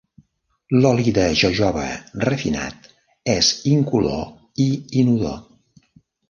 L'oli de jojoba refinat és incolor i inodor.